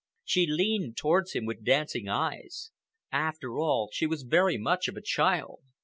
She leaned towards him with dancing eyes. After all, she was very much of a child.